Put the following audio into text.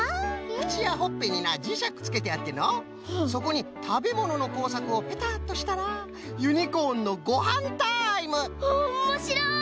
くちやほっぺになじしゃくつけてあってのうそこにたべもののこうさくをペタッとしたらユニコーンのごはんタイム！わおもしろい！